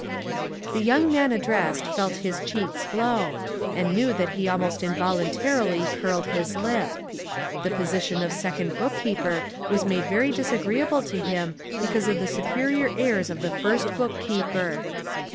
The young man addressed felt his cheeks glow, and knew that he almost involuntarily curled his lip. The position of second book keeper was made very disagreeable to him because of the superior airs of the first book keeper.